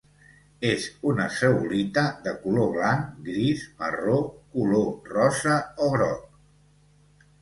És una zeolita de color blanc, gris, marró, color, rosa o groc.